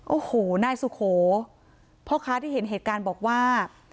โอ้โหนายสุโขพ่อค้าที่เห็นเหตุการณ์บอกว่า